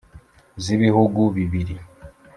z'ibihugu bibiri.